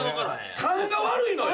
勘が悪いのよ